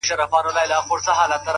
دا غرونه ـ غرونه دي ولاړ وي داسي ـ